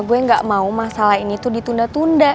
gue gak mau masalah ini tuh ditunda tunda